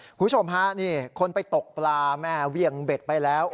คุณผู้ชมฮะนี่คนไปตกปลาแม่เวียงเบ็ดไปแล้ว